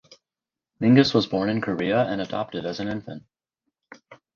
Mingus was born in Korea and adopted as an infant.